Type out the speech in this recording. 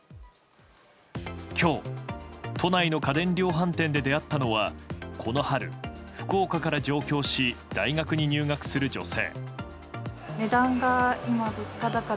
今日、都内の家電量販店で出会ったのはこの春、福岡から上京し大学に入学する女性。